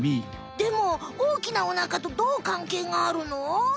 でもおおきなお腹とどうかんけいがあるの？